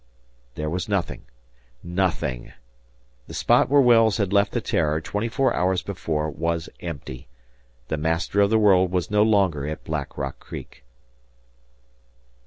There was nothing! Nothing! The spot where Wells had left the "Terror" twenty four hours before was empty. The "Master of the World" was no longer at Black Rock Creek.